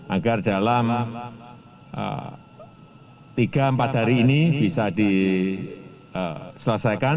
agar dalam tiga empat hari ini bisa diselesaikan